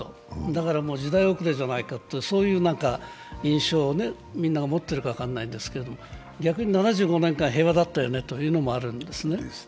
だからもう時代遅れじゃないかという印象をみんなが持っているかも分からないんですが、逆に７５年間平和だったよねというのもあるんですよね。